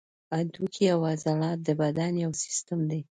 هډوکي او عضلات د بدن یو سیستم دی.